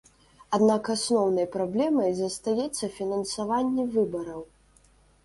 Аднак асноўнай праблемай застаецца фінансаванне выбараў.